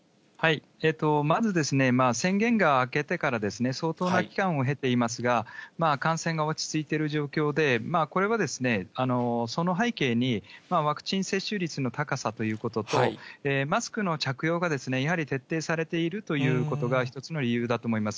まず、宣言が明けてから、相当な期間を経ていますが、感染が落ち着いている状況で、これはその背景に、ワクチン接種率の高さということと、マスクの着用がやはり徹底されているということが一つの理由だと思います。